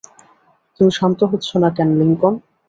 তুমি শান্ত হচ্ছো না কেন, লিংকন?